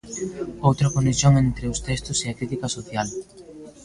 Outra conexión entre os textos é a crítica social.